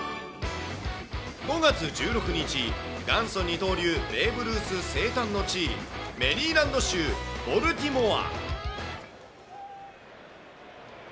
５月１６日、元祖二刀流、ベーブ・ルース生誕の地、メリーランド州ボルティモア。